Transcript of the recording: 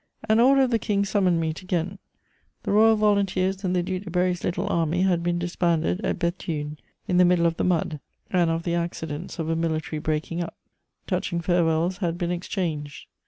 An order of the King summoned me to Ghent. The Royal Volunteers and the Duc de Berry's little army had been disbanded at Béthune, in the middle of the mud and of the accidents of a military breaking up: touching farewells had been exchanged.